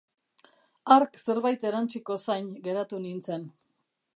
Hark zerbait erantsiko zain geratu nintzen.